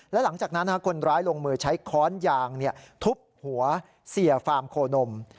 และหลังจากนั้นคนร้ายลงมือใช้ค้อนยางทุบหัวเสียฟาร์มโคนม